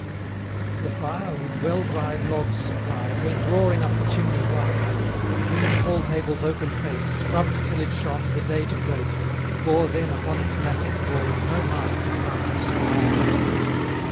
The fire, with well dried logs supplied, 50 Went roaring up the chimney wide: The huge hall table's oaken face, Scrubb'd till it shone, the day to grace, Bore then upon its massive board No mark to part the squire and lord.